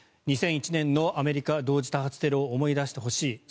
２００１年のアメリカ同時多発テロを思い出してほしい。